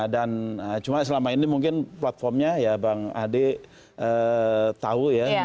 dan cuma selama ini mungkin platformnya ya bang ade tahu ya